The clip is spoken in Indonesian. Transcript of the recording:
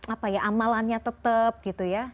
apa ya amalannya tetap gitu ya